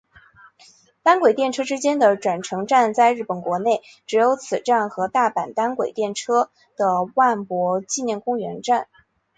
单轨电车之间的转乘站在日本国内只有此站与大阪单轨电车的万博纪念公园站。